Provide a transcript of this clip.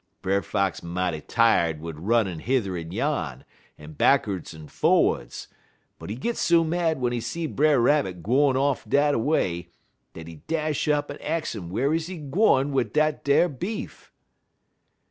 Brer Fox mighty tired wid runnin' hether en yan, en backards en forrerds, but he git so mad w'en he see Brer Rabbit gwine off dat a way, dat he dash up en ax 'im whar is he gwine wid dat ar beef.